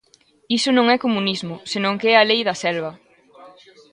Iso non é comunismo, senón que é a lei da selva.